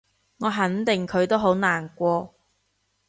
我肯定佢都好難過